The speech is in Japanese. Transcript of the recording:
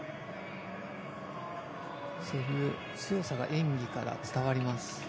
そういう強さが演技から伝わります。